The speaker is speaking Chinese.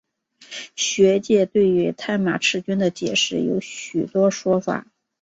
学界对于探马赤军的解释有许多说法。